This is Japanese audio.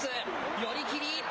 寄り切り。